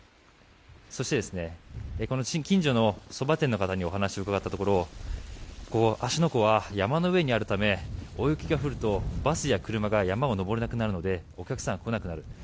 そして、近所のそば店の方にお話を伺ったところ芦ノ湖は山の上にあるため大雪が降るとバスや車が山を登れなくなるのでお客さんは来なくなる。